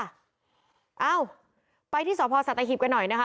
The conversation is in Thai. อ้าวไปที่สหพาสัตยาฮิปกันหน่อยนะคะ